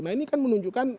nah ini kan menunjukkan